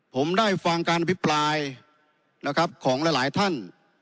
ผมได้ฟังการอภิปรายนะครับของหลายท่าน